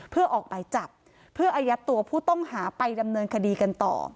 เพื่อออกหมายจับเพื่ออายัดตัวผู้ต้องหาไปดำเนินคดีกันต่อ